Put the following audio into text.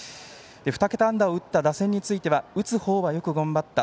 ２桁安打を打った打線については打つ方は、よく頑張った。